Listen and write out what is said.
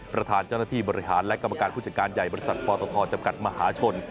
ประธานเจ้าหน้าที่บริหารและกรรมการผู้จัดการใหญ่บริษัทปตทจำกัดมหาชน